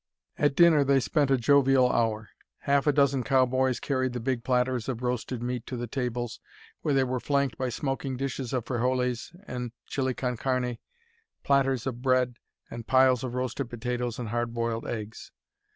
At dinner they spent a jovial hour. Half a dozen cowboys carried the big platters of roasted meat to the tables, where they were flanked by smoking dishes of frijoles and chile con carne, platters of bread, and piles of roasted potatoes and hard boiled eggs.